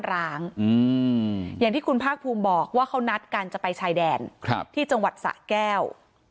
ร้างอย่างที่คุณภาคภูมิบอกว่าเขานัดกันจะไปชายแดนที่จังหวัดสะแก้ว